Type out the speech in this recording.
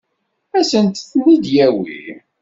Ad sent-ten-id-yawi?